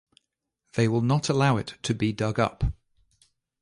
They will not allow it to be dug up.